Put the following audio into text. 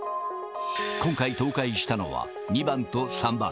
今回、倒壊したのは２番と３番。